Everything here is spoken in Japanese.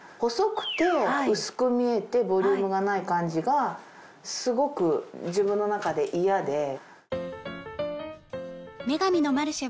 細くて薄く見えてボリュームがない感じがすごく自分の中で嫌で。